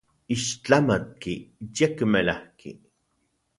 Ixtlamatki, yekmelajki.